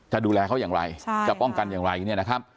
จะดูแลเขาอย่างไรจะป้องกันอย่างไรเนี่ยนะครับ